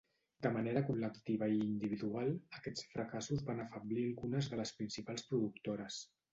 De manera col·lectiva i individual, aquests fracassos van afeblir algunes de les principals productores.